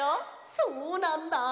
そうなんだ。